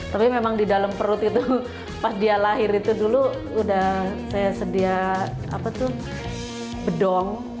tapi memang di dalam perut itu pas dia lahir itu dulu udah saya sedia bedong